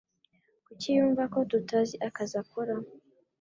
Kuki yumvako tutazi akazi akora